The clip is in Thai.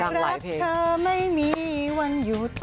รักเธอไม่มีวันหยุด